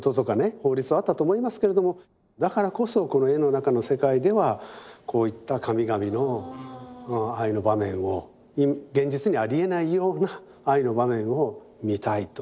法律はあったと思いますけれどもだからこそこの絵の中の世界ではこういった神々の愛の場面を現実にはありえないような愛の場面を見たいと。